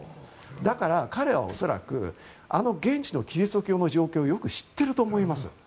だから、彼は恐らくあの現地のキリスト教の状況をよく知っていると思います。